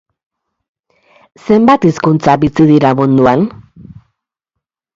Zenbat hizkuntza bizi dira munduan?